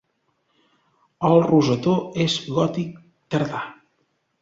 El rosetó és gòtic tardà.